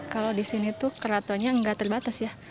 kalau di sini tuh keratonnya nggak terbatas ya